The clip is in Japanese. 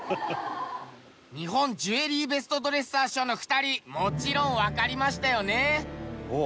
日本ジュエリーベストドレッサー賞の２人もちろんわかりましたよね？